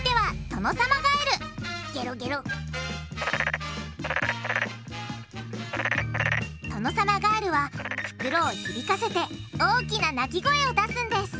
トノサマガエルはふくろを響かせて大きな鳴き声を出すんです！